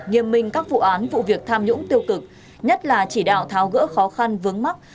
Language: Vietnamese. nghiêm minh các vụ án vụ việc tham nhũng tiêu cực nhất là chỉ đạo tháo gỡ khó khăn vướng mắt